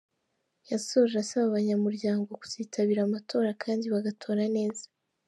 Yasoje asaba abanyamuryango kuzitabira amatora kandi bagatora neza.